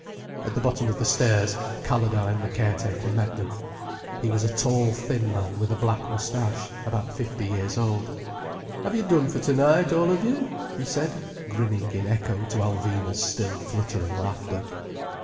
At the bottom of the stairs Calladine, the caretaker, met them. He was a tall thin man with a black moustache—about fifty years old. "Have you done for tonight, all of you?" he said, grinning in echo to Alvina's still fluttering laughter.